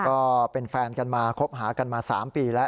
ก็เป็นแฟนกันมาคบหากันมา๓ปีแล้ว